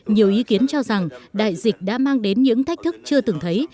nhiều ý kiến cho rằng đại dịch đã mang đến những thách thức chưa từng thấy